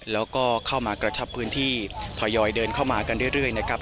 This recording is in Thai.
แล้วก็เข้ามากระชับพื้นที่ทยอยเดินเข้ามากันเรื่อยนะครับ